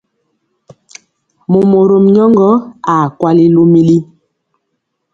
Momorom nyɔŋgɔ aa kwali lomili.